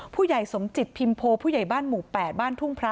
ผู้ใหญ่สมจิตพิมโพผู้ใหญ่บ้านหมู่๘บ้านทุ่งพระ